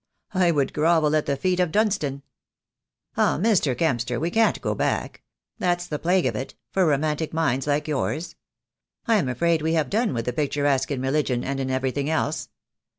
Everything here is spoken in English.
I would grovel at the feet of Dunstan." "Ah, Mr. Kempster, we can't go back. That's the plague of it, for romantic minds like yours. I am afraid we have done with the picturesque in religion and in everything else.